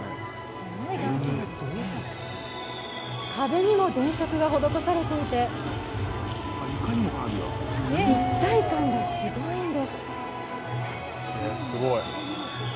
壁にも電飾が施されていて、一体感がすごいんです。